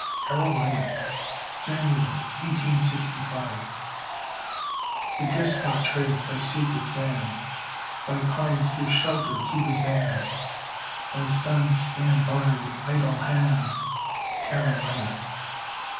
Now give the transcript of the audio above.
CAROLINA [January, 1865] The despot treads thy sacred sands, Thy pines give shelter to his bands, Thy sons stand by with idle hands, Carolina!